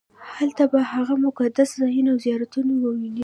هلته به هغه مقدس ځایونه او زیارتونه ووېنم.